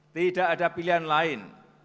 tidak ada pilihan lain